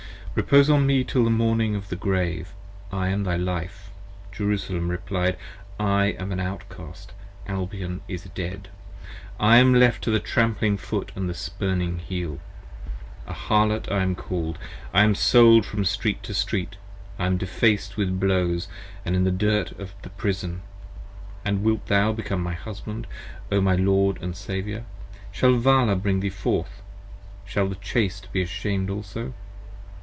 p. 62 REPOSE on me till the morning of the Grave. I am thy life. Jerusalem replied. I am an outcast: Albion is dead: 1 am left to the trampling foot & the spurning heel: A Harlot I am call'd. I am sold from street to street: 5 I am defaced with blows & with the dirt of the Prison : And wilt thou become my Husband, O my Lord & Saviour? Shall Vala bring thee forth? shall the Chaste be ashamed also?